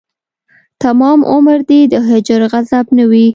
تمام عمر دې د هجر غضب نه وي